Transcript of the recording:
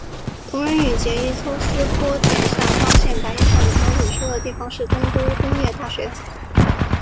桐人与结依抽丝剥茧下发现白衣少女所指出的地方是东都工业大学。